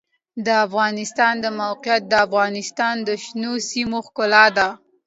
د افغانستان د موقعیت د افغانستان د شنو سیمو ښکلا ده.